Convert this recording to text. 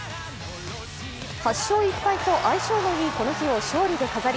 ８勝１敗と相性のいいこの日を勝利で飾り